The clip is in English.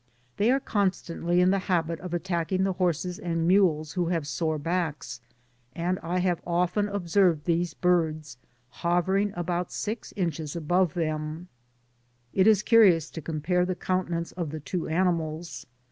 They are con stantly in the habit of attacking the horses and mules who have sore backs; and I have often observed these birds hovering about six inches above them, k is curious to compare the countenance of the two animals.